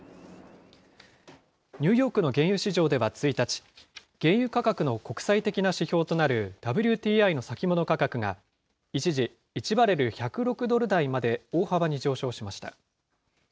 ニューヨークの原油市場では１日、原油価格の国際的な指標となるＷＴＩの先物価格が、一時１バレル１０６ドル台まで大幅に上昇しました。